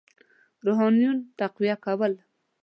روحانیون تقویه کول.